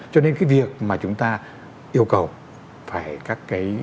cho nên cái việc mà chúng ta yêu cầu phải các cái